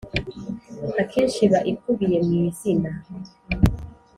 akenshi iba ikubiye mu izina